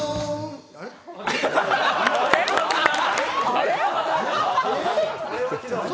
あれ？